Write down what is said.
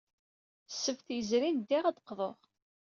Ssebt yezrin, ddiɣ ad d-qḍuɣ.